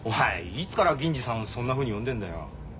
いつから銀次さんをそんなふうに呼んでんだよ。